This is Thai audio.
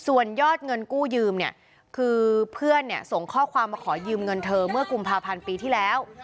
ส่วนยอดเงินกู้ยืมเนี่ยคือเพื่อนเนี่ยส่งข้อความมาขอยืมเงินเธอเมื่อกุมภาพันธ์ปีที่แล้ว